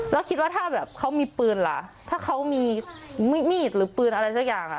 แล้วคิดว่าถ้าแบบเขามีปืนล่ะถ้าเขามีมีดหรือปืนอะไรสักอย่างอ่ะ